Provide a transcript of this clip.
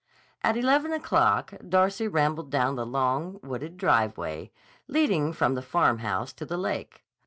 At eleven o'clock, Darcy rambled down the long, wooded driveway, leading from the Farmhouse to the lake.